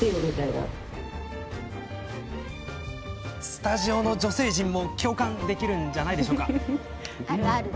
スタジオの女性陣の皆さんも共感できるんじゃないですか？